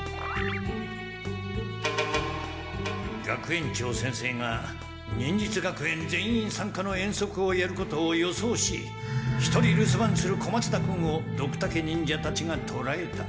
学園長先生が忍術学園全員さんかの遠足をやることを予想し一人留守番する小松田君をドクタケ忍者たちがとらえた。